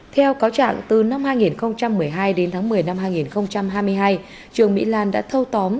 theo cáo trạng từ năm hai nghìn một mươi hai đến tháng một mươi năm hai nghìn hai mươi hai trương mỹ lan đã thâu tóm